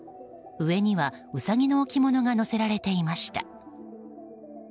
上には、ウサギの置物が載せられていました。